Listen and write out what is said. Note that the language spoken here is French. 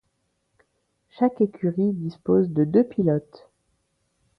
Chaque écurie dispose de deux pilotes.